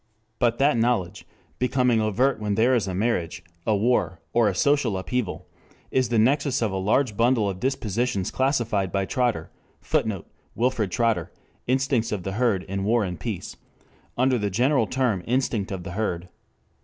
But that knowledge, becoming overt when there is a marriage, a war, or a social upheaval, is the nexus of a large bundle of dispositions classified by Trotter [Footnote: W. Trotter, Instincts of the Herd in War and Peace.] under the general term instinct of the herd.